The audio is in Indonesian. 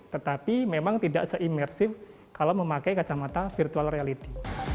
tetapi memang tidak seimersif kalau memakai kacamata virtual reality